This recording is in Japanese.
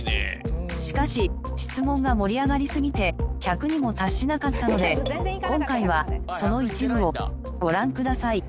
しかし質問が盛り上がりすぎて１００にも達しなかったので今回はその一部をご覧ください。